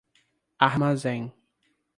Armazém